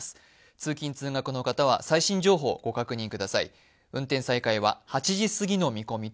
通勤通学の方は最新情報をご確認ください。